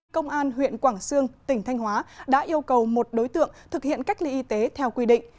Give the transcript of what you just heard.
công an huyện quảng sương tỉnh thanh hóa đã yêu cầu một đối tượng thực hiện cách ly y tế theo quy định